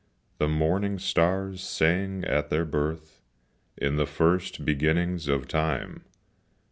The morning stars sang at their birth, In the first beginnings of time.